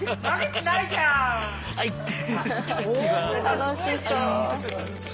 楽しそう。